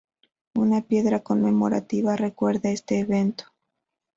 Una piedra conmemorativa recuerda este evento.